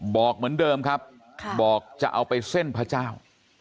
บอกเหมือนเดิมครับบอกจะเอาไปเส้นพระเจ้า